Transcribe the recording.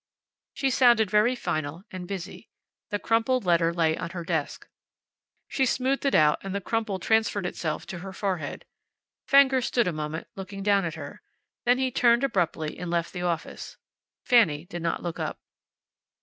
She sounded very final and busy. The crumpled letter lay on her desk. She smoothed it out, and the crumple transferred itself to her forehead. Fenger stood a moment, looking down at her. Then he turned, abruptly and left the office. Fanny did not look up.